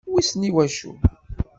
Wissen i waccu?